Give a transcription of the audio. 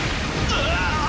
うわ！